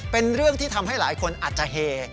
เป็นเรื่องที่ทำให้หลายคนอาจจะเฮ